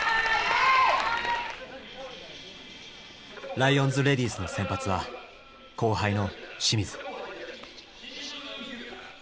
ライオンズ・レディースの先発は後輩の清水。